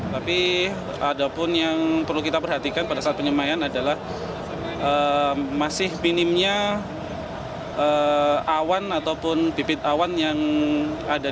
tapi ada pun yang perlu kita perhatikan pada saat penyemayan adalah masih minimnya awan ataupun bibit awan yang ada di